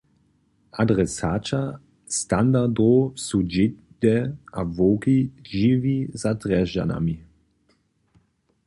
Adresaća standardow su dźěde a wowki žiwi za Drježdźanami.